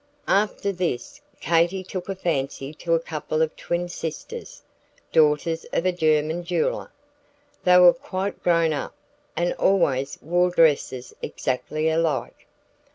After this, Katy took a fancy to a couple of twin sisters, daughters of a German jeweller. They were quite grown up, and always wore dresses exactly alike.